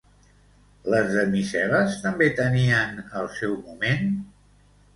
Les damisel·les també tenien el seu moment?